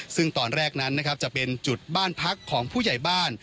ซึ่งตอนแรกนั้นนะครับจะเป็นจุดบ้านพักของผู้ใหญ่บ้าน